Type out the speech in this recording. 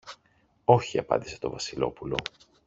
Όχι, απάντησε το Βασιλόπουλο.